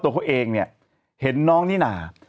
ตัวเขาเองเนี่ยเห็นน้องนิน่า